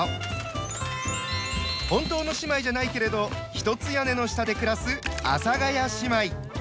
本当の姉妹じゃないけれど一つ屋根の下で暮らす「阿佐ヶ谷姉妹」。